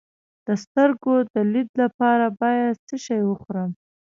د سترګو د لید لپاره باید څه شی وخورم؟